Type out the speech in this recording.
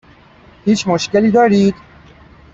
هیچ مشکلی دارید؟